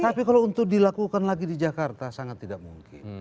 tapi kalau untuk dilakukan lagi di jakarta sangat tidak mungkin